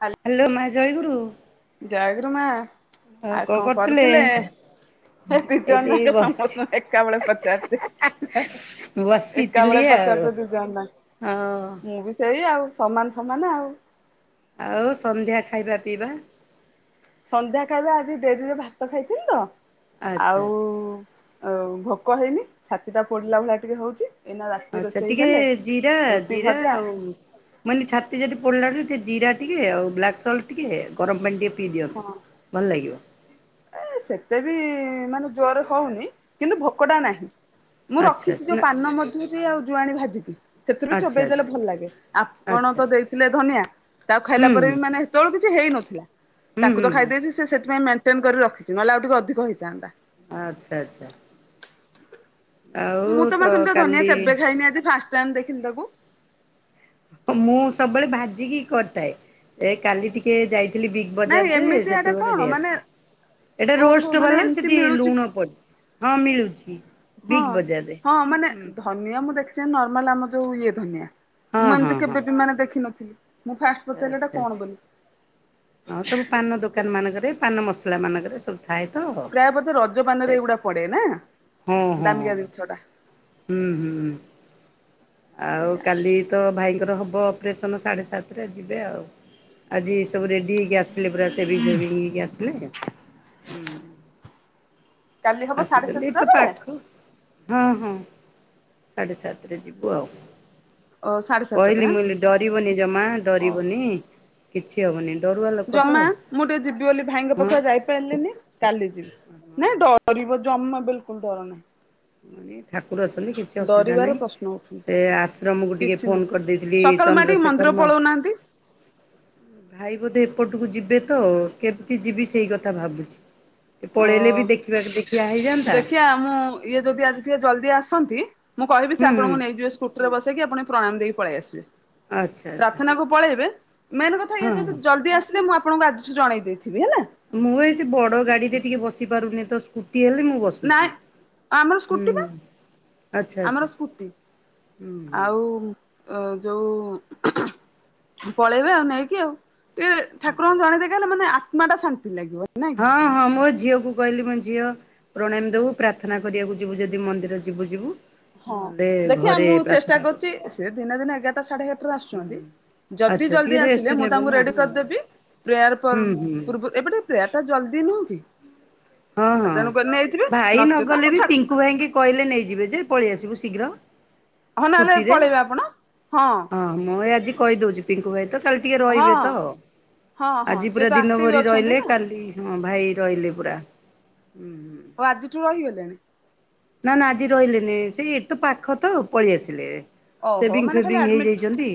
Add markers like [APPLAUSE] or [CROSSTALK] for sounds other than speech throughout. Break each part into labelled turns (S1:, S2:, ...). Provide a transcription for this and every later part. S1: ହାଲ
S2: ହାଲୋ ମା ଜୟଗୁରୁ।
S1: ଜୟଗୁରୁ ମା ଆଉ କଣ କରୁଥିଲେ? ହେ ଦି
S2: ଏଇଠି
S1: ଜଣ ଯାକ
S2: ବସି
S1: ସମୋସ ଏକାବେଳେ ପଚାରୁଛି।
S2: ବସିଥିଲି
S1: ଏକାବେଳେ
S2: ଆଉ।
S1: ପଚାରୁଛ ଦି ଜଣ ଯା
S2: ହଁ।
S1: ସେଇ ଆଉ ସମାନେ ସମାନେ ଆଉ।
S2: ଆଉ ସନ୍ଧ୍ୟା ଖାଇବା ପିଇବା।
S1: ସନ୍ଧ୍ୟା ଖାଇବା ଆଜି ଡେରିରେ ଭାତ ଖାଇଥିଲି ତ
S2: ଆଚ୍ଛା
S1: ଆଉ
S2: ଆଚ୍ଛା।
S1: ଆଉ ଭୋକ ହେଇନି। ଛାତି ଟା ପୋଡିଲା ଭଳିଆ ଟିକେ ହଉଛି ଏଇନା ରାତି
S2: ଆଚ୍ଛା
S1: ରୋଷେଇ
S2: ଟିକେ
S1: ହେଲେ ରୁଟି ଭଜା।
S2: ମାନେ ଛାତି ଯଦି ପୋଡିଲାଣି ଟିକଏ ଜିରା ଟିକେ ଆଉ ବ୍ଲାକ୍ ସଲ୍ ଟିକେ ଗରମ ପାଣି ଟିକେ ପିଇ ଦିଅନ୍ତୁ।
S1: ହଁ
S2: ଭଲ ଲାଗିବ।
S1: ଏ ସେତେ ବି ମାନେ ଜୋର ରେ ହଉନି କିନ୍ତୁ ଭୋକଟା ନାହିଁ। ମୁଁ
S2: ଆଚ୍ଛା
S1: ରଖିଛି
S2: ଆଚ୍ଛା
S1: ଯୋଉ
S2: ନା
S1: ପାନ ମଧୁରୀ ଆଉ ଜୁଆଣି ଭାଜିକି। ସେଥିରୁ ବି
S2: ଆଚ୍ଛା
S1: ଚୋବେଇ
S2: ଆଚ୍ଛା
S1: ଦେଲେ ଭଲ ଲାଗେ
S2: ଆଚ୍ଛା
S1: ଆପଣ
S2: ଆଚ୍ଛା।
S1: ତ ଦେଇଥିଲେ ଧନିଆ ତାକୁ
S2: ହୁଁ
S1: ଖାଇଲା
S2: ହୁଁ
S1: ପରେ ବି ମାନେ ତଳୁ କିଛି ହେଇନଥିଲା
S2: ହୁଁ
S1: ତାକୁ
S2: ହୁଁ
S1: ତ
S2: ହୁଁ
S1: ଖାଇଦେଇଛି ସେ ସେଥିପାଇଁ ମେଣ୍ଟେନ କରି ରଖିଛି ନହେଲେ ଆଉ ଟିକେ ଅଧିକ ହେଇଥାନ୍ତା।
S2: ଆଚ୍ଛା ଆଚ୍ଛା।
S1: ମୁଁ
S2: ଆଉ
S1: ତ ମା ସେମିତି ଧନିଆ
S2: କାଲି
S1: କେବେ ଖାଇନି ଆଜି ଫାଷ୍ଟ ଟାଇମ ଦେଖିଲି ତାକୁ।
S2: ମୁଁ ସବୁବେଳେ ଭାଜିକି କରିଥାଏ। ଏ କାଲି ଟିକେ ଯାଇଥିଲି ବିଗ୍
S1: ନାଇଁ
S2: ବଜାର ଯେ
S1: ଏମିତି ଏଟା
S2: ସେଠୁ ଗୋଟେ
S1: କଣ
S2: ନେଇ
S1: ମାନେ
S2: ଆସିଥିଲି। ଏଟା
S1: ଓହୋ
S2: ରୋଷ୍ଟ
S1: ମାନେ
S2: ବାଲା
S1: ଏମିତି
S2: ସେଠି
S1: ମିଳୁଛି
S2: ଲୁଣ ପଡିଛି। ହଁ ମିଳୁଛି
S1: ହଁ
S2: ବିଗ୍ ବଜାରରେ ହଁ।
S1: ଧନିଆ ମୁଁ ଦେଖିଚି ନର୍ମାଲ୍ ଆମ ଯଉ ଇଏ ଧନିଆ
S2: ହଁ
S1: ମୁଁ ଏମିତି
S2: ହଁ ହଁ
S1: କେବେ ବି ମାନେ ଦେଖିନଥିଲି। ମୁଁ ଫାଷ୍ଟ୍ ପଚାରିଲି ଏଟା
S2: ଆଚ୍ଛା
S1: କଣ
S2: ଆଚ୍ଛା।
S1: ବୋଲି।
S2: ହଁ ସବୁ ପାନ ଦୋକାନ ମାନଙ୍କରେ ପାନ ମସଲା ମାନଙ୍କରେ ସବୁ ଥାଏ ତ
S1: ପ୍ରାୟ ବୋଧେ ରଜ ପାନରେ ଏଇଗୁଡା
S2: ସେଟା
S1: ପଡେ ନା
S2: ହଁ-
S1: ଦାମିକା
S2: ହଁ।
S1: ଜିନିଷ ଟା
S2: ହୁଁ- ହୁଁ। ଆଉ
S1: ଏଇଆ।
S2: କାଲି ତ ଭାଇଙ୍କର ହବ ଅପରେସନ୍ ସାଢ଼େ ସାତରେ ଯିବେ ଆଉ। ଆଜି ସବୁ ରେଡି ହେଇକି ଆସିଲେ ପୁରା ସେଭିଙ୍ଗ୍ ଫେବିଙ୍ଗ୍ ହେଇକି ଆସିଲେ ହୁଁ।
S1: କାଲି ହବ ସାଢେ
S2: ଆସିଚନ୍ତି ଏଠେ
S1: ସାତଟା
S2: ତ
S1: ବେଳେ
S2: ପାଖ ହଁ- ହଁ ସାଢ଼େ ସାତ୍ ରେ ଯିବୁ ଆଉ।
S1: ଓ ସାଢେ ସାତଟା
S2: କହିଲି ମୁଁ କହିଲି ଡରିବନି ଜମା
S1: ଓହୋ।
S2: ଡରିବନି କିଛି ହବନି ଡରୁଆ ଲୋ
S1: ଜମା ମୁଁ ଟିକେ ଯିବି ବୋଲି ଭାଇଙ୍କ ପାଖକୁ ‌ଆ- ଯାଇ ଯାଇ ପାରିଲିନି କାଲି ଯିବି ନାଇଁ ଡରିବ ଜମା ବିଲକୁଲ୍ ଡର ନାହିଁ।
S2: ମୁଁ କହିଲି ଠାକୁର ଅଛନ୍ତି କି କିଛି ଅସୁବିଧା
S1: ଡରିବାର
S2: ନାହିଁ
S1: ପ୍ରଶ୍ନ ଉଠୁନି।
S2: ସେ ଆଶ୍ରମକୁ ଟିକେ
S1: କିଛି ନାହିଁ
S2: ଫୋନ୍ କରିଦେଇଥିଲି
S1: ସକାଳୁ ମା ଟିକେ ମନ୍ଦିର
S2: ଚନ୍ଦ୍ରଶେଖର ମାଉ
S1: ପଳଉନାହାନ୍ତି
S2: ଭାଇ ବୋଧେ ଏପଟକୁ ଯିବେ ତ କେମିତି ଯିବି ସେଇ କଥା ଭାବୁଚି। ପଳେଇଲେ ବି
S1: ଅ
S2: ଦେଖିବାକୁ ଦେଖିବା ହେଇଯାନ୍ତା।
S1: ଦେଖିଆ ମୁଁ ଇଏ ଯଦି ଆଜି ଟିକେ ଜଲ୍ଦି ଆସନ୍ତି ମୁଁ କହିବି ସେ
S2: ହୁଁ ହୁଁ
S1: ଆପଣଙ୍କୁ ନେଇଯିବେ ସ୍କୁ ସ୍କୁଟି ରେ ବସେଇକି ଆପଣ ପ୍ରଣାମ ଦେଇକି ପଳେଇ ଆସିବେ।
S2: ଆଚ୍ଛା ଆଚ୍ଛା
S1: ପ୍ରାଥନାକୁ ପଳେଇବ ମେନ୍ କଥା ଇଏ
S2: ହଁ
S1: ଯଦି
S2: ହଁ
S1: ଜଲ୍ଦି ଆସିଲେ ମୁଁ ଆପ ହଁ ଆଜିଠୁ ଜଣେଇ ଦେଇଥିବି ହେଲା।
S2: ମୁଁ ଏଇ ସେ ବଡ ଗାଡିରେ ଟିକେ ବସି ପାରୁନି ତ ସ୍କୁଟି ହେଲେ ମୁଁ ବସିି
S1: ନାଇଁ ଆମର ସ୍କୁଟି ପା
S2: ଆଚ୍ଛା ଆଚ୍ଛା
S1: ଆମର ସ୍କୁଟି।
S2: ହୁଁ ହୁଁ
S1: ଆଉ ଓ ଯୋଉ ପଳେଇବେ ଆଉ ନେଇକି ଆଉ ଟିକେ
S2: ଆଚ୍ଛା
S1: ଠାକୁରଙ୍କୁ
S2: ଆଚ୍ଛା
S1: ଜଣେଇ ଦେଇ ନା ମାନେ ଆତ୍ମା ଟା ଶାନ୍ତି ଲାଗିବ। ନାଇଁ କି?
S2: ହଁ ହଁ ମୋ ଝିଅକୁ କହିଲି ମୋ ଝିଅ ପ୍ରଣାମି ଦବୁ ପ୍ରାର୍ଥନା କରିବାକୁ ଯିବୁ ଯଦି ମନ୍ଦିର ଯିବୁ ଯିବୁ।
S1: ହଁ
S2: ନହେଲେ
S1: ଦେଖିଆ
S2: ଘରେ
S1: ମୁଁ ଚେଷ୍ଟା
S2: ପ୍ରାର୍ଥନା କରିବ
S1: କରୁଚି
S2: ସେ
S1: ଦିନରେ ଏଗାରଟା ସାଢେ ଏଗାରଟା ଆସୁଚନ୍ତି
S2: ହୁଁ।
S1: ଯଦି
S2: ଆଚ୍ଛା ଟିକେ
S1: ଜଲ୍ଦି
S2: ରେଷ୍ଟ
S1: ଆସିଲେ ମୁଁ
S2: ନେବେ
S1: ତାଙ୍କୁ
S2: ନା ହୁଁ
S1: ରେଡି କରଦେବି ପ୍ରେୟାର
S2: ହୁଁ
S1: ପରେ
S2: ହୁଁ
S1: ପୂର୍ବ ଏପଟେ ପ୍ରେୟାର୍ ଟା ଜଲ୍ଦି ନୁହେଁ କି?
S2: ହଁ ହଁ
S1: ତେଣୁକରି ନେଇଯିବେ
S2: ଭାଇ
S1: ନଚେତ ଆମ
S2: ନଗଲେ ବି
S1: ଠା
S2: ପିଙ୍କୁ ଭାଇଙ୍କି କହିଲେ ନେଇଯିବେ ଯେ ପଳେଇ ଆସିବୁ ଶୀଘ୍ର।
S1: ହଁ ନହେଲେ
S2: ସ୍କୁଟିରେ
S1: ପଳେଇବେ ଆପଣ
S2: ହଁ ମୁଁ ଆଜି କହିଦଉଚି ପିଙ୍କୁ ଭାଇ ତ କାଲି ଟିକେ
S1: ହଁ
S2: ରହିବେ ତ
S1: ହଁ ହଁ
S2: ଆଜି
S1: ସିଏ
S2: ପୁରା
S1: ତ
S2: ଦିନ
S1: ଆକ୍ଟିଭ
S2: ଭରି
S1: ଅଛନ୍ତି
S2: ରହିଲେ
S1: ନା
S2: କାଲି ହଁ ଭାଇ ରହିଲେ ପୁରା। ଉ-ହୁଁ।
S1: ଓ ଆଜିଠୁ ରହିଗଲେ?
S2: ନା ନା ଆଜି ରହିଲେନି ସେ ଏଇଠେ ପାଖ ତ ପଳେଇ ଆସିଲେ
S1: ଓହୋ
S2: ସେଭିଙ୍ଗ୍
S1: ମାନେ ଖାଲି
S2: ଫେବିଙ୍ଗ୍
S1: ଆଡମିଟ
S2: ହେଇଯାଇଚନ୍ତି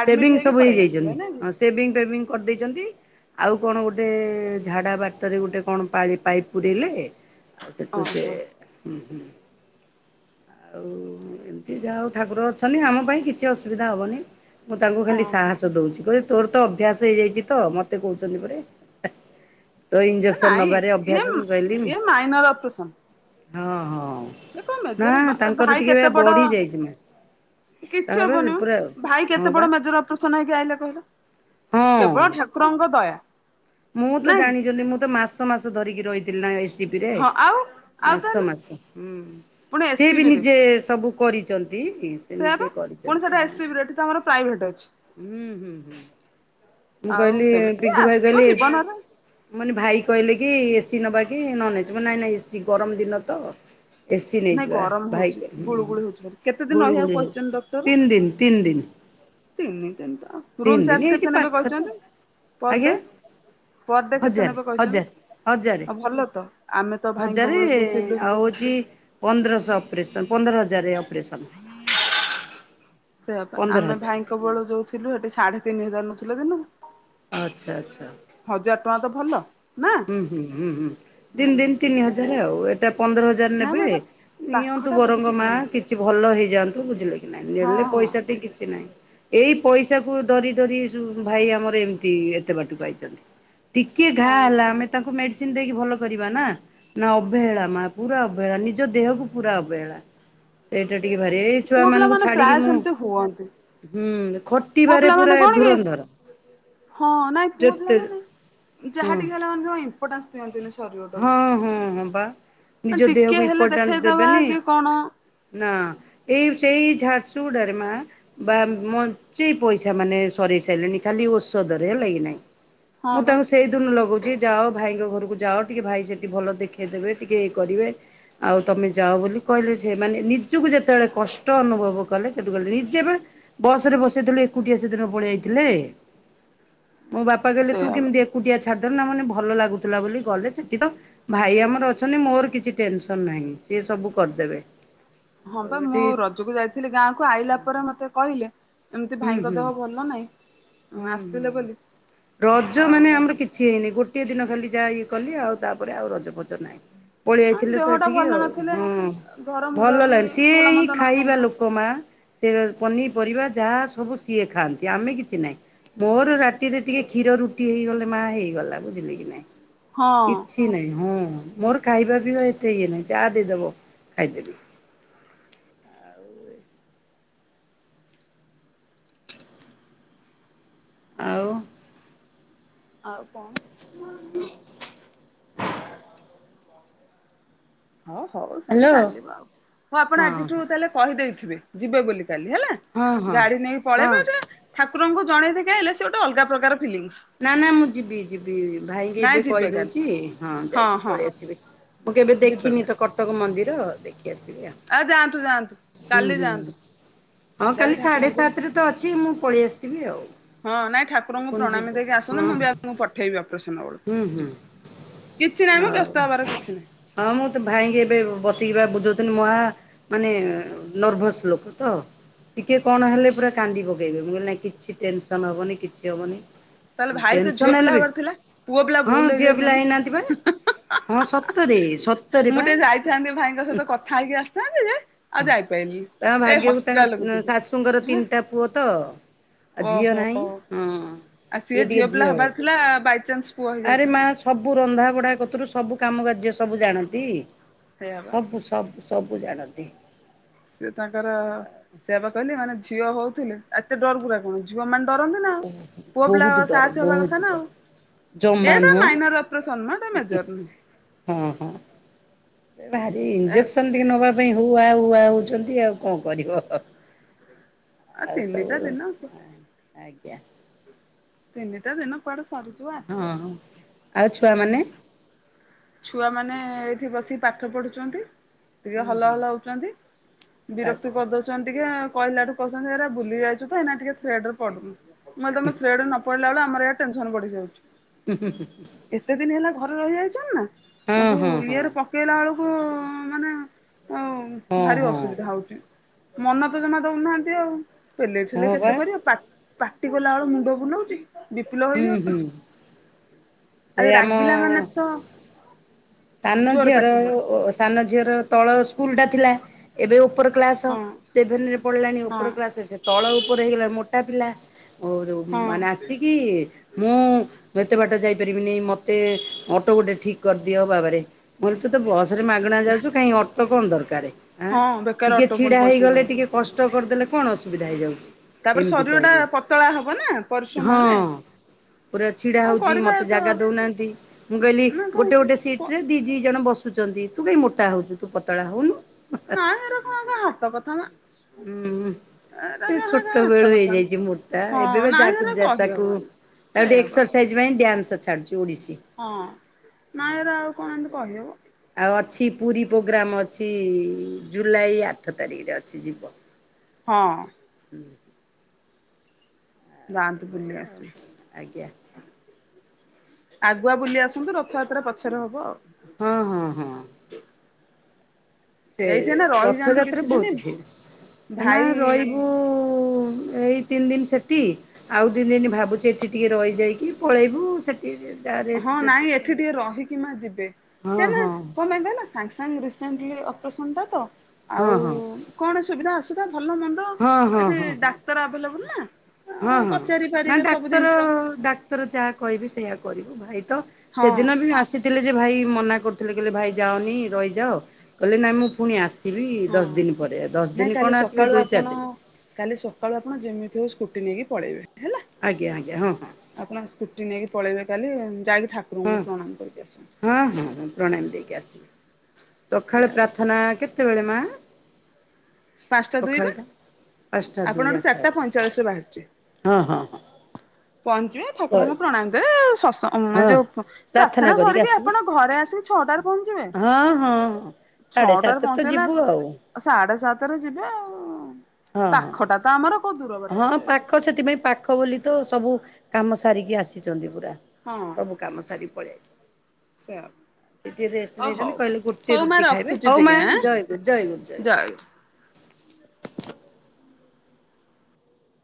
S1: ଆଡମିଟ
S2: ସେଭିଙ୍ଗ୍
S1: ହେଇକି
S2: ସବୁ
S1: ପଳେଇ ଆସିଥିଲେ
S2: ହେଇଯାଇଚନ୍ତି
S1: ନା କି?
S2: ହଁ ସେ ସେଭିଙ୍ଗ୍ ଫେବିଙ୍ଗ୍ କରିଦେଇଚନ୍ତି ଆଉ କଣ ଗୋଟେ ଝାଡ଼ା ବାଟରେ ଗୋଟେ କଣ ପାଇ ପାଇପ୍ ପୁରେଇଲେ ଆ ସେଠୁ ସେ
S1: ଓହୋ
S2: ହୁଁ ହୁଁ। ଆଉ ଏମିତି ଯାହଉ ଠାକୁର ଅଛନ୍ତି ଆମ ପାଇଁ କିଛି ଅସୁବିଧା ହବନି। ମୁଁ ତାଙ୍କୁ ଖାଲି
S1: ଓହୋ
S2: ସାହସ ଦଉଚି କହିଲେ ତୋର ତ ଅଭ୍ୟାସ୍ ହେଇଯାଇଚି ତ ମତେ କହୁଚନ୍ତି ଏପଟେ। ତୋର ଇଞ୍ଜେକ୍ସନ୍ ନେବାରେ ଅଭ୍ୟାସ ମୁଁ କହିଲିି ହୁଁ
S1: ମାଇନର୍ ଅପେରେସନ୍।
S2: ହଁ ହଁ।
S1: ଏ କଣ୍
S2: ନା
S1: ମେଜର୍ ଏ
S2: ତାଙ୍କର
S1: ଭାଇ
S2: ଟିକେ
S1: କେତେ ବଡ
S2: ବଢି ଯାଇଛି ମ୍ୟାମ୍।
S1: କିଛି
S2: ତାଙ୍କର ସେ
S1: ହବନି
S2: ପୁରା
S1: ମ ଭାଇ
S2: ହଁ
S1: କେତେ
S2: ବା
S1: ବଡ ମେଜର ଅପ୍ ଅପରେସନ୍ ହେଇକି ଆଇଲେ କହିଲ
S2: ହଁ
S1: କେବଳ ଠାକୁରଙ୍କ ଦୟା।
S2: ମୁଁ ତ
S1: ନାଇଁ କି
S2: ଜାଣିଚନ୍ତି ମୁଁ ତ ମାସ ମାସ ଧରିକି ରହିଥିଲି ନା ଏସି ବି ରେ
S1: ହଁ ଆଉ ଆଉ
S2: ମାସ
S1: ତାହେଲେ
S2: ମାସ ହୁଁ
S1: ପୁଣି
S2: ସେ ବି
S1: ଏସିବି ରେ
S2: ନିଜେ ସବୁ କରିଚନ୍ତି। ସେ
S1: ସେୟା
S2: ନିଜେ
S1: ବା ପୁଣି ସେଟା
S2: କରିଛନ୍ତି ହଁ
S1: ଏସିବି ରେ ଏଠି ତ ଆମର ପ୍ରାଇଭେଟ ଅଛି
S2: ହୁଁ ହୁଁ ହୁଁ। ମୁଁ
S1: ଆଉ
S2: କହିଲି
S1: ସେମିତି
S2: ବିଗୁ ଭାଇ
S1: ଆସିବ
S2: କହିଲି।
S1: ଜୀବନରେ
S2: ମାନେ ଭାଇ କହିଲେ କି ଏସିି ନବାକି ନନ ଏସି ମୁଁ କହିଲି ନାଇଁ ନାଇଁ ଏସି ଗରମ ଦିନ ତ ଏସିି
S1: ନାଇଁ
S2: ନେଇଯିବା
S1: ଗରମ
S2: ଭାଇ
S1: ହଉଛି ଗୁଳୁ
S2: କହିଲି
S1: ଗୁଳି ହଉଛି ଭାରି କେତେ ଦିନ ରହିବାକୁ
S2: ଗୁଳୁଗୁଳି
S1: କହିଛନ୍ତି
S2: ହଉଛି
S1: ଡକ୍ଟର
S2: ତିନି ଦିନ ତିନି ଦିନ।
S1: ତିନି ଦିନି ତ
S2: ତିନି
S1: ରୁମ୍
S2: ଦିନ
S1: ଚାର୍ଜ
S2: ଏଇଠି
S1: କେତେ ନେବେ
S2: ପାଖ ତ
S1: କହିଛନ୍ତି ପର
S2: ଆଜ୍ଞା
S1: ଡେ? ପର ଡେ କେତେ
S2: ହଜାରେ
S1: ନେବେ
S2: ହଜାରେ
S1: କହିଛନ୍ତି
S2: ହଜାରେ
S1: ଆଉ ଭଲ ତ ଆମେ ତ ଭାଇଙ୍କ
S2: ହଜାରେ
S1: ବେଳୁ ଯୋଉ ଥିଲୁ
S2: ଆଉ ହଉଛି। ପନ୍ଦରଶହ ଅପରେସନ୍ ପନ୍ଦର ହଜାର ଅପରେସନ୍।
S1: ସେଇଆପା
S2: ପନ୍ଦର
S1: ଆମେ
S2: ହଜାର
S1: ଭାଇଙ୍କ ବେଳେ ଯୋଉ ଥିଲୁ ହେଠି ସାଢେ ତିନି ହଜାର ନଉଥିଲେ ଦିନକୁ।
S2: ଆଚ୍ଛା ଆଚ୍ଛା।
S1: ହଜାର ଟଙ୍କା ତ ଭଲ। ନା
S2: ହୁଁ ହୁଁ ହୁଁ ହୁଁ
S1: ଭଲ
S2: ତିନି ଦିନ ତିନି ହଜାର ଆଉ ଏଇଟା ପନ୍ଦର ହଜାର
S1: ନା
S2: ନେବେ।
S1: ମ ଏଟା
S2: ନିଅନ୍ତୁ
S1: ପାଖଟା
S2: ବରଙ୍ଗ
S1: ବହୁତ
S2: ମା
S1: ଭଲ
S2: କିଛି ଭଲ ହେଇଯାଆନ୍ତୁ ବୁଝିଲେ କି।
S1: ହଁ
S2: ନେଲେ
S1: ହଁ
S2: ପଇସା ଠି କିଛି ନାହିଁ ଏଇ ପଇସା କୁ ଡରି ଡରି ଭାଇ ଆମର ଏମିତି ଏତେ ବାଟକୁ ଆଇଛନ୍ତି ଟିକେ ଘା
S1: ହଁ
S2: ହେଲା ଆମେ ତାଙ୍କୁ ମେଡିସିନ ଦେଇକି ଭଲ କରିବା ନା। ନା ଅବହେଳା ମା ପୁରା ଅବହେଳା ନିଜ ଦେହକୁ ପୁରା ଅବହେଳା। ସେଇଟା ଟିକେ ଭାରି ଏଇ ଛୁଆ
S1: ପୁଅ ପିଲା
S2: ମାନଙ୍କୁ
S1: ମାନେ ପ୍ରାୟ
S2: ଛାଡିକି ମୁଁ
S1: ସେମିତି ହୁଅନ୍ତି
S2: ହୁଁ
S1: ପୁଅ
S2: ଖଟିବାରେ
S1: ପିଲାମାନେ
S2: ପୁରା
S1: କଣ କି
S2: ଧୁରନ୍ଧର।
S1: ହଁ ନାଇଁ ପୁଅ
S2: ଯେତେ
S1: ପିଲାମାନେ
S2: ହଁ
S1: ଯାହା ଟିକେ ହେଲା ମାନେ ଜମା ଇମ୍ପୋର୍ଟାନ୍ସ ଦିଅନ୍ତିନି
S2: ହଁ
S1: ଶରୀରଟାକୁ।
S2: ହଁ ହଁ ବା
S1: ନା
S2: ନିଜ ଦେହକୁ
S1: ଟିକେ ହେଲେ
S2: ଇମ୍ପୋର୍ଟାନ୍ସ
S1: ଦେଖେଇଦବା
S2: ଦେବେନି
S1: କି କଣ
S2: ନା ଏଇ ସେଇ ଝାରସୁଗଡାରେ ମା। ବା ମୋଞ୍ଚେ ପଇସା ମାନେ ସରି ସାରିଲେଣି ଖାଲି ଔଷଧରେ ହେଲା କି ନାହିଁ
S1: ହଁ
S2: ମୁଁ
S1: ବା
S2: ତାଙ୍କୁ ସେଇଦିନୁ ଲଗଉଗଛି ଯାଅ ଭାଇଙ୍କ ଘରକୁ ଯାଅ। ଟିକେ ଭାଇ ସେଠି ଭଲ ଦେଖେଇ ଦେେବେ ଟିକେ ଇଏ କରିବେ। ଆଉ ତମେ ଯାଅ ବୋଲି କହିଲେ ସେ ମାନେ ନିଜକୁ ଯେତେବେଳେ କଷ୍ଟ ଅନୁଭବ କଲେ ସେଠୁ କହିଲେ ନିଜେ ପା ବସ ରେ ବସେଇଦେଲେ ଏକୁଟିଆ ସେ ଦିନ ପଳେଇ ଆଇଥିଲେ। ମୋ ବାପା କହିଲେ ତୁ
S1: ସେଇଆ ବା
S2: କେମିତି ଏକୁଟିଆ ଛାଡିଦେଲୁ ନା ମାନେ ଭଲ ଲାଗୁଥିଲା ବୋଲି ଗଲେ ସେଠି ତ ଭାଇ ଆମର ଅଛନ୍ତି ମୋର କିଛି ଟେନସନ୍ ନାହିଁ ସଏ ସବୁ କରିଦେବେ, ଆଉ ଏଠି
S1: ଥିଲି ଗାଁକୁ ଆଇଲା ପରେ ମତେ କହିଲେ? ଏମିତି
S2: ହୁଁ
S1: ଭାଇଙ୍କ
S2: ହୁଁ
S1: ଦେହ ଭଲ ନାହିଁ
S2: ହୁଁ ହୁଁ।
S1: ଆସିଥିଲେ ବୋଲି ଆଉ
S2: ଛି ହେଇନି ଗୋଟିଏ ଦିନ ଖାଲି ଯାହା ଇଏ କଲି ଆଉ ତାପରେ ଆଉ ରଜପଜ ନାହିଁ। ପଳେଇ
S1: ଆ
S2: ଥିଲେ ତ
S1: ଦେହଟା
S2: ଏଠିକି
S1: ଭଲ
S2: ଆଉ
S1: ନଥିଲେ
S2: ହଁ
S1: ଘର ମୁୂର
S2: ଭଲ
S1: ବି
S2: ଲା ସିଏ
S1: ଭଲ ମନ୍ଦ ନ
S2: ଖାଇବା
S1: ଖାଇଲେ
S2: ଲୋ ଙ୍କ ମା ସେ ପନିପରିବା ଯାହା ସବୁ ସିଏ ଖାଆନ୍ତି ଆମେ କିଛି ନାହିଁ। ମୋର ରାତିରେ ଟିକେ କ୍ଷୀର ରୁଟି ହେଇଗଲେ ମା ହେଇଗଲା ବୁଝିଲୁ କି ନାଇଁ।
S1: ହଁ
S2: କିଛି ନାହିଁ ହଁ ମୋର ଖାଇବା ପିଇବା ଏତେ ଇଏ ନାହିଁ ଯାହା ଦେଇଦବ ଖାଇଦେବି। ଆଉ
S1: ଆଉ କ
S2: [UNINTELLIGIBLE]
S1: ହ ହଉ ସେନ
S2: ହ୍ୟାଲୋ।
S1: ଚାଲିବ ଆଉ ହଉ ଆପଣ
S2: ହଁ
S1: ଆଜିଠୁ
S2: ହଁ
S1: ତାହେଲେ କହିଦେଇଥିବେ ଯିବେ ବୋଲି କାଲି ହେଲା।
S2: ହଁ ହଁ
S1: ଗାଡି ନେଇକି
S2: ହଁ
S1: ପଳେଇବା ପା ଠାକୁରଙ୍କୁ ଜଣେଇଦେଇକି ଆଇଲେ ସେ ଗୋଟେ ଅଲଗା ପ୍ରକାର ଖୁସି।
S2: ନା ନା ମୁଁ ଯିବି ଯିବି ଭାଇକି ଏବେ
S1: ଯିବେ କାଲି
S2: କହିଦଉଛି ହଁ ଯାଇକି ପଳେଇ ଆସିବି। ମୁଁ କେବେ
S1: ଯିବେ
S2: ଦେଖିନି ତ କଟକ ମନ୍ଦିର ଦେଖି ଆସିବି ଆଉ।
S1: ଆ ଯାଆନ୍ତୁ ଯାଆନ୍ତୁ
S2: ହୁଁ
S1: କାଲି
S2: ହୁଁ।
S1: ଯାଆନ୍ତୁ।
S2: ହଁ
S1: ଯାଇକି
S2: କାଲି ସାଢ଼େ
S1: ଠାକୁରଙ୍କୁ
S2: ସାତରେ ତ ଅଛି ମୁଁ ପଳେଇ ଆସିଥିବି ଆଉ।
S1: ହଁ ନାଇଁ ଠାକୁରଙ୍କୁ
S2: ପୁଣି
S1: ପ୍ରଣାମୀ
S2: ଯିବୁ
S1: ଦେଇକି ଆସ ହ
S2: ହଁ
S1: ନା
S2: ହଁ
S1: ମୁଁ ବି ଆପଣଙ୍କୁ ପଠେଇବି ଅପରେସନ
S2: ହୁଁ
S1: ବେଳକୁ
S2: ହୁଁ
S1: ଯିବି କିଛି ନାହିଁ ମ
S2: ଆଉ
S1: ବ୍ୟସ୍ତ ହବାର କିଛି ନାହିଁ।
S2: ହଁ ମୁଁ ତ ଭାଇ ଙ୍କି ଏବେ ବସିକି ବା ବୁଝୋଉଥିଲି ମା ମାନେ ନର୍ଭସ୍ ଲୋକ ତ। ଟିକେ କଣ ହେଲେ ପୁରା କାନ୍ଦି ପକେଇବେ ମୁଁ କହିଲି କିଛି ଟେନସନ ହବନି କିଛି ହବନି।
S1: ତାହେଲେ ଭାଇ ତ ଝିଅ
S2: ଟେନ୍ସନ
S1: ପିଲା
S2: ହେଲେ
S1: ହେବାର
S2: ବେଶି।
S1: ଥିଲା ପୁଅ ପିଲା
S2: ହଁ
S1: ଭୁଲ
S2: ଝିଅ ପିଲା
S1: ହେଇଯାଇଛନ୍ତି।
S2: ହେଇନାହାନ୍ତି ବା ହଁ ସତରେ ସତରେ
S1: ମୁଁ
S2: ବା।
S1: ଟିକେ ଯାଇଥାନ୍ତି ଭାଇଙ୍କ ସହିତ କଥା ହେଇକି ଆସିଥାନ୍ତି ଯେ ଆଉ
S2: ହ
S1: ଯାଇପାରିଲିନି।
S2: ତା
S1: ଏ
S2: ଭାଗ୍ୟକୁ
S1: ହସ୍ପିଟାଲକୁ
S2: ତାଙ୍କ
S1: ଯିବି
S2: ଶାଶୁଙ୍କର
S1: ହଁ
S2: ତିନିଟା ପୁଅ। ତ ଅ ଝିଅ
S1: ଓହୋ।
S2: ନାହିଁ ହଁ
S1: ଆଉ ସିଏ
S2: ଇଏ ଟିକେ ଝିଅ।
S1: [UNINTELLIGIBLE] ବାଇଚାନ୍ସ। [UNINTELLIGIBLE]
S2: ଆରେ ମା ସବୁ ରନ୍ଧା ବଢା କତୁରୁ ସବୁ କାମ କାର୍ଯ୍ୟ ସବୁ ଜାଣନ୍ତି।
S1: ସେଇଆ ବା।
S2: ସବୁ ସବୁ ସବୁ ଜାଣନ୍ତି।
S1: ସେ ତାଙ୍କର ସେଇଆପା କହିଲେ ମାନେ ଝିଅ ହୋଉଥୁଲେ ଏତେ ଡରକୁରା କଣ ଝିଅମାନେ ଡରନ୍ତି ନା ଆଉ ପୁଅ ପିଲା
S2: ବହୁତ ଡର
S1: ସାହସୀ ହବା କଥା
S2: ବହୁତ
S1: ନା
S2: ଡର
S1: ଆଉ।
S2: ଜମା
S1: ଏଇଟା
S2: ନୁହଁ
S1: ମାଇନର ଅପରେସନ ମ ଏଟା ମେଜର ନୁହଁ।
S2: ହଁ ହଁ ଏ ଭାରି
S1: ଏ
S2: ଇଞ୍ଜେକ୍ସନ୍ ଟିକେ ନବା ପାଇଁ ହୁହା ହୁଆ ହୋଉଚନ୍ତି ଆଉ କଣ କରିବ।
S1: ଆଉ ତିନିଟା ଦିନ ସେ
S2: ଆଜ୍ଞା।
S1: ତିନିଟା ଦିନ କୁଆଡେ ସରିଯି
S2: ହଁ ହଁ ଆଉ ଛୁଆମାନେ?
S1: ଛୁଆମାନେ ଏଇଠି ବସିକି ପାଠ ପଢୁଚନ୍ତି। ଟିକେ
S2: ହୁଁ
S1: ହଲ
S2: ହୁଁ
S1: ହଲ ହୋଉଚନ୍ତି ବିରକ୍ତି
S2: ଆଚ୍ଛା
S1: କରିଦୋଉ ଚନ୍ତି ଟିକେ ଆଉ କହିଲାଠୁ କୋହୁଛନ୍ତି ଏରା ଭୁଲିଯାଇଛୁ ତ ଏଇନା ଟିକେ ଥ୍ରେଡରେ ପଢୁ ଉଁ ମୁଁ କଇଲି ତମେ ଥ୍ରୀଡରେ ନ ପଢିଲା ବେଳେ ଆମର ଇଆଡେ ଟେନସନ ବଢିଯାଉଚି।
S2: ଉ ହୁଁ ହୁଁ ହୁଁ ହୁଁ।
S1: ଏତେ ଦିନି ହେଲା ଘରେ ରହିଯାଇଚନ ନା।
S2: ହଁ
S1: ତାଙ୍କୁ
S2: ହଁ ହଁ
S1: ଇଏରେ ପକେଇଲା ବେଳକୁ ମାନେ ଆଉ
S2: ହଁ
S1: ଭାରି
S2: ହଁ
S1: ଅସୁବିଧା ହୋଉଚି ମନ ତ ଜମା ଦୋଉନାହାନ୍ତି ଆଉ। ପେଲେଇ ଠେଲେଇ
S2: ହଁ ବା
S1: କେତେ କରିବେ ପା ପାଟି କାଲା ଏଳକୁ ମୁଣ୍ଡ ବୁଲୋଉଚି ବି ପି ଲୋ
S2: ହୁଁ ହୁଁ
S1: ହେଇଯାଉଚି।
S2: ସେ
S1: ଆଉ ଏ
S2: ଆମ
S1: ରାଗିଲା ମାନେ ତ
S2: ସାନ
S1: ଜୋରେ
S2: ଝିଅର
S1: ପାଟି
S2: ଓ
S1: ହଉଛି
S2: ଓ ସାନ ଝିଅର ତଳ ସ୍କୁଲଟା ଥିଲା ଏବେ ଓପର କ୍ଲାସ
S1: ହଁ।
S2: ସେଭେନରେ ପଡିଲାଣି
S1: ହଁ
S2: ଓପର କ୍ଲାସେ ସେ ତଳ ଓପର ହେଇଗଲା ମୋଟା ପିଲା ଓରୁ
S1: ହଁ
S2: ମାନେ ଆସିକି ମୁଁ ମୁଁ ଏତେ ବାଟ ଯାଇପାରିବିନେଇ ମତେ ଅଟୋ ଗୋଟେ ଠିକ୍ କରିଦିଅ ବାବାରେ। ମୁଁ କହିଲି ତୁ ତ ବସରେ ମାଗଣା ଯାଉଚୁ କାଇଁ ଅଟୋ କଣ ଦରକାରେ ଆଁ
S1: ହଁ ବେକାର
S2: ଟିକେ
S1: ଅଟୋ ପୁଣି
S2: ଛିଡ଼ା
S1: ପଇସା
S2: ହେଇଗଲେ
S1: ନବ।
S2: ଟିକେ କଷ୍ଟ କରିଦେଲେ କଣ ଅସୁବିଧା ହେଇଯାଉଚି?
S1: ତାପରେ ଶରୀରଟା ପତଳା ହବ ନା ପରିଶ୍ରମ ହେଲେ।
S2: ହଁ ପୁରା ଛିଡା
S1: କଣ
S2: ହୋଉଚି
S1: କରିବା
S2: ମତେ
S1: ତ
S2: ଜାଗା ଦୋଉନାହାନ୍ତି ମୁଁ କହିଲି
S1: ନା କଣ
S2: ଗୋଟେ ଗୋଟେ ସିଟରେ ଦି ଦି ଜଣ ବସୁଚନ୍ତି ତୁ କାଇଁ ମୋଟା ହୋଉଚୁ ତୁ ପତଳା ହୋଉନୁ।
S1: ନାଇଁ ଏରା କଣ କା ହାତ କଥା ମା
S2: ହୁଁ ସେ ଛୋଟ
S1: ହାତ
S2: ବେଳୁ
S1: କଥା
S2: ହେଇଯାଇଚି ମୋଟା ଏବେ
S1: ହଁ
S2: ପା
S1: ନାଇଁ
S2: ଯାହାକୁ
S1: ଏରା
S2: ଯା ତାକୁ
S1: କହିହବନି।
S2: ତାକୁ ଟିକେ
S1: ସେଇଆ ପା
S2: ଏକ୍ସରସାଇଜ୍ ପାଇଁ ଡ୍ୟାନ୍ସ ଛାଡ଼ୁଚୁ ଓଡ଼ିଶି।
S1: ହଁ ନାଇଁ ଏରା ଆଉ କଣ ଏମତି କହିହବ।
S2: ଆଉ ଅଛି ପୁରୀ ପ୍ରୋଗ୍ରମ୍ ଅଛି ଜୁଲାଇ ଆଠ ତାରିକରେ ଅଛି ଯିବ।
S1: ହଁ।
S2: ହୁଁ।
S1: ଯାଆନ୍ତୁ ବୁଲି
S2: ଏଇଭଳିଆ ଆଉ
S1: ଆସିବେ।
S2: ଆଜ୍ଞା।
S1: ଆଗୁଆ ବୁଲି ଆସନ୍ତୁ ରଥଯାତ୍ରା ପଛରେ ହବ ଆଉ।
S2: ହଁ ହଁ ହଁ। ସେ
S1: ଏଇଠି ଏଇନା ରହିଯାଆନ୍ତୁ କିଛି
S2: ରଥଯାତ୍ରା
S1: ଦିନି
S2: ବୋହୁତ ଭିଡ଼୍। ନା ରହିବୁ
S1: ଭାଇ
S2: ଏଇ ତିନ ଦିନ ସେଠି ଆଉ ଦି ଦିନି ଭାବୁଚି ଏଠି ଟିକେ ରହିଯାଇକି ପଳେଇବୁ ସେ ଠି ଯେ ଯାହାର
S1: ହଁ ନାଇଁ ଏଠି ଟିକେ ରହିକି ମା ଯିବେ
S2: ହଁ
S1: କ
S2: ହଁ
S1: କଣ ପାଇଁ ନା ସାଙ୍ଗସଙ୍ଗ ରିସେଣ୍ଟଲି ଅପରେସନ୍ ଟା ତ
S2: ହଁ
S1: ଆଉ
S2: ହଁ
S1: କଣ ସୁବିଧା ଅସୁବିଧା ଭଲ ମନ୍ଦ
S2: ହଁ ହଁ ହଁ
S1: ଏଠି
S2: ହଁ
S1: ଡାକ୍ତର ଆଭେଲେବଲ ନା।
S2: ହଁ
S1: ଅ
S2: ହଁ
S1: ପଚାରି
S2: ନା
S1: ପାରିବେ ସବୁ
S2: ଡାକ୍ତର
S1: ଜିନିଷ
S2: ଡ଼ା [UNINTELLIGIBLE] ଯାହା କହିବି ସେଇୟା କରିବୁ ଭାଇ ତ
S1: ହଁ
S2: ସେଦିନ ବି ଆସିଥିଲେ ଯେ ଭାଇ ମନା କରୁ ଥିଲେ କହେ ଭାଇ ଯାଉନି ରହିଯାଉ କହିଲେ ନାଇଁ ମୁଁ ପୁଣି ଆସ ଆସିବି
S1: ହଁ।
S2: ଦଶ ଦିନ ପରେ ଦଶ
S1: ନାଇଁ
S2: ଦିନ
S1: କାଲି
S2: କଣ ଆସିବେ
S1: ସକାଳୁ
S2: ଦୁଇ
S1: ଆପଣ
S2: ଚାରି ଦିନ
S1: କାଲି ସକାଳୁ ଆପଣ ଯେମିତି ହଉ ସ୍କୁଟି ନେଇକି ପଳେଇବେ ହେଲା।
S2: ଆଜ୍ଞା ଆଜ୍ଞା ହଁ ହଁ।
S1: ଆପଣ ସ୍କୁଟି ନେଇକି ପଳେଇବେ କାଲି ଯାଇକି ଠାକୁ
S2: ହଁ ହଁ ହଁ ହଁ ପ୍ରଣାମି ଦେଇକି ଆସିବି ସକାଳୁ
S1: ଏଇଆ କଥା
S2: ପ୍ରାର୍ଥନା କେତେ କେତେବେଳେ ମାମା?
S1: ପାଞ୍ଚଟା ଦୁଇ ବା।
S2: ପାଞ୍ଚଟା ଦୁଇ
S1: ଆପଣ ଏଠୁ
S2: ଆଚ୍ଛା
S1: ଚାରିଟା
S2: ଆଚ୍ଛା
S1: ପଇଁଚାଳିଶ ରେ ବାହାରିଯିବେ
S2: ହଁ ହଁ ହଁ
S1: ପହଞ୍ଚିବେ
S2: କର
S1: ଠାକୁରଙ୍କ ପ୍ରଣାମି ଦେବେ
S2: ହଁ।
S1: ଯୋଉ ପ୍ରାର୍ଥନା
S2: କରିକି
S1: ସରିକି
S2: ଆସିବୁ
S1: ଆପଣ ଘରେ ଆସିକି ଛଅଟା
S2: ହଁ ହଁ ସାଢେ
S1: ଛଅଟାରେ
S2: ସାତ ତ
S1: ପହଞ୍ଚେଇଲେ
S2: ଯିବୁ ଆଉ।
S1: ସାଢେ ସାତରେ ଯିବେ ଆଉ
S2: ହଁ ହଁ।
S1: ପାଖଟା ତ ଆମର। କୋଉ ଦୂର ବାଟ
S2: ହଁ
S1: ଯେ
S2: ପାଖ ସେଥିପାଇଁ ପାଖ ବୋଲି ତ ସବୁ କାମ ସାରିକି ଆସିଛନ୍ତି ପୁରା।
S1: ହଁ।
S2: ସବୁ କାମ ସାରି ପଳାଇ।
S1: ସେ
S2: ଟିକେ ରେଷ୍ଟ ନଉଛନ୍ତି କହିଲେ ଗୋଟେ
S1: ମା
S2: ରୁଟି ଖାଇବେ
S1: ରଖୁଛି
S2: ହଉ ମା
S1: ଟିକେ ଆଁ
S2: ଜୟ ଗୁ ଜୟ ଗୁ ଜୟ ଗୁରୁ।